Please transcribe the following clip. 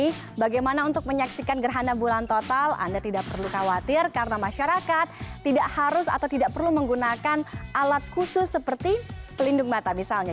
jadi bagaimana untuk menyaksikan gerhana bulan total anda tidak perlu khawatir karena masyarakat tidak harus atau tidak perlu menggunakan alat khusus seperti pelindung mata misalnya